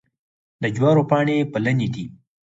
د جوارو پاڼې پلنې دي.